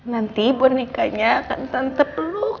nanti bonekanya akan tante peluk